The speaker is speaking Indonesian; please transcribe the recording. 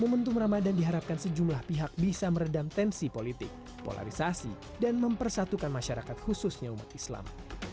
momentum ramadan diharapkan sejumlah pihak bisa meredam tensi politik polarisasi dan mempersatukan masyarakat khususnya umat islam